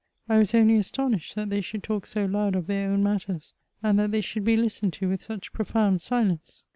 I was only asto nished that they should talk so loud of their own matters, and that they should be listened to with such profound silence.